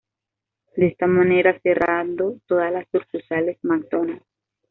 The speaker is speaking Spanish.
De esta manera, cerrando todas las sucursales McDonald's.